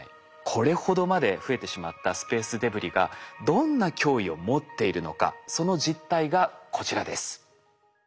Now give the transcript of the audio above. これほどまで増えてしまったスペースデブリがどんな脅威を持っているのかその実態がこちらです。